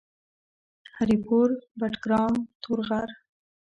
هري پور ، بټګرام ، تورغر